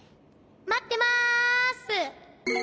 まってます！